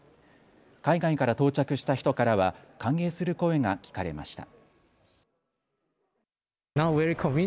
海外から到着した人からは歓迎する声が聞かれました。